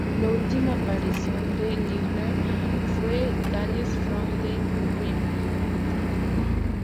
La última aparición de Little fue "Tales from the Crypt".